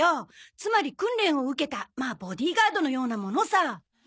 つまり訓練を受けたまあボディーガードのようなものさ。